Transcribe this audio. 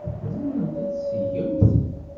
Tzemremt ad t-tgemt.